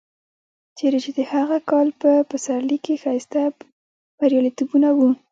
چېرې چې د هغه کال په پسرلي کې ښایسته بریالیتوبونه و.